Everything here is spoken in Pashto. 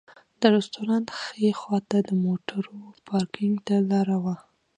د رسټورانټ ښي خواته د موټرو پارکېنګ ته لاره وه.